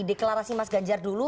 deklarasi mas ganjar dulu